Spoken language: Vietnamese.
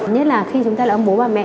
nhất là khi chúng ta là ông bố bà mẹ